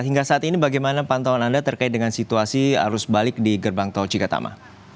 hingga saat ini bagaimana pantauan anda terkait dengan situasi arus balik di gerbang tol cikatama